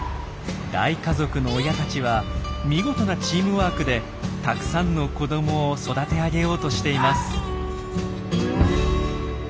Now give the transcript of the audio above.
大家族の親たちは見事なチームワークでたくさんの子どもを育て上げようとしています。